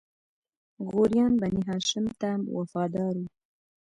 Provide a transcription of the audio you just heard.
غوریان بنی هاشم ته وفادار وو.